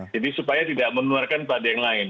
jadi supaya tidak meneluarkan pada yang lain